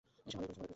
এসে ভালোই করেছো।